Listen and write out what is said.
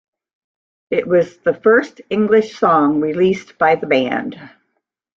It was the first English song released by the band.